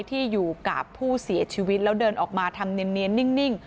ที่อยู่กับผู้เสียชีวิตแล้วเดินออกมาทำเนียนนิ่ง